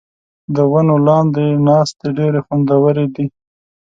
د ونو لاندې ناستې ډېرې خوندورې دي.